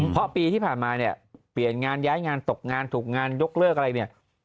เพราะปีที่ผ่านมาเนี่ยเปลี่ยนงานย้ายงานตกงานถูกงานยกเลิกอะไรเนี่ย